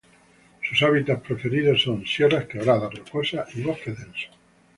Sus hábitats preferidos son sierras, quebradas rocosas, y bosques densos.